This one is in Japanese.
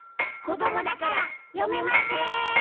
こどもだからよめません。